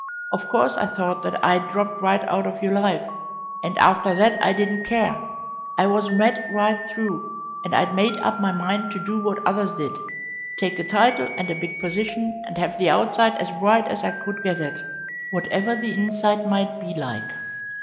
Of course I thought that I'd dropped right out of your life, and after that I didn't care. I was mad right through, and I'd made up my mind to do what others did take a title and a big position, and have the outside as bright as I could get it, whatever the inside might be like.